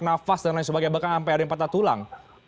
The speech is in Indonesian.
nafas dan lain sebagainya bahkan sampai ada yang patah tulang